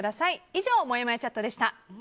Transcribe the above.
異常、もやもやチャットでした。